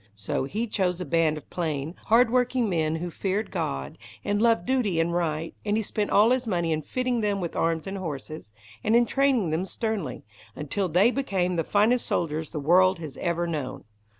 So he chose a band of plain, hard working men who feared God, and loved duty and right, and he spent all his money in fitting them with arms and horses, and in training them sternly, until they became the finest soldiers the world has ever known.